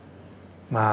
まあ